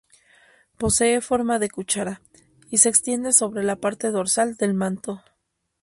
Posee forma de cuchara, y se extiende sobre la parte dorsal del manto.